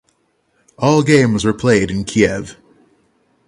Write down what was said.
All games were played in Kyiv.